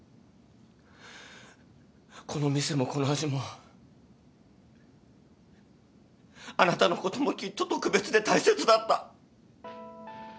この店もこの味もあなたのこともきっと特別で大切だった。